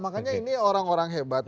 makanya ini orang orang hebat